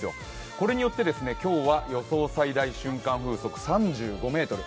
これによって今日は予想最大瞬間風速３５メートル。